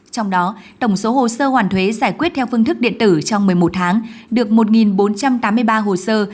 trong đó tổng số hồ sơ hoàn thuế giải quyết theo phương thức điện tử trong một mươi một tháng được một bốn trăm tám mươi ba hồ sơ